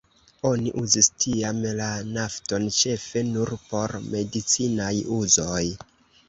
Oni uzis tiam la nafton ĉefe nur por medicinaj uzoj.